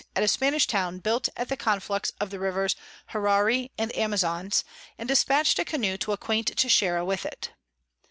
at a Spanish Town built at the Conflux of the Rivers Huerari and Amazons, and dispatch'd a Canoe to acquaint Texeira with it.